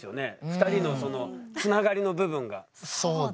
２人のつながりの部分が。